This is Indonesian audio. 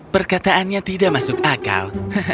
perkataannya tidak masuk akal